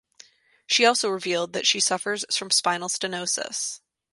She also revealed that she suffers from spinal stenosis.